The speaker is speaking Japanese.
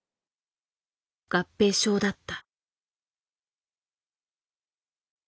合併症だった。